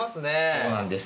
そうなんです